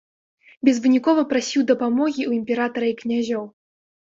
Безвынікова прасіў дапамогі ў імператара і князёў.